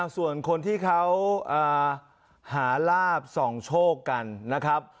ส่วนคนที่เขาหาลาบส่องโชคกันนะครับ